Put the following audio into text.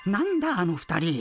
あの２人。